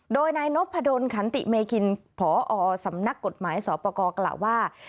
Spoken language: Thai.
โดยนายนพดลขันติเมคินพอสำนักกฎหมายสอปกรกล่าวว่า